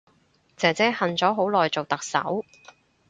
姐姐恨咗好耐做特首